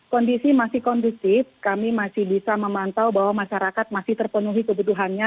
kondisi masih kondusif kami masih bisa memantau bahwa masyarakat masih terpenuhi kebutuhannya